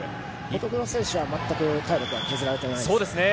乙黒選手は全く体力は削られていないですね。